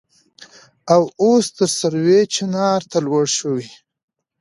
او اوس تر سروې چينار ته لوړه شوې.